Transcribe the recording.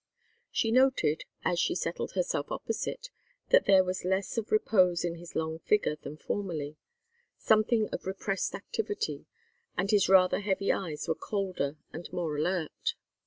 She noted, as she settled herself opposite, that there was less of repose in his long figure than formerly, something of repressed activity, and his rather heavy eyes were colder and more alert.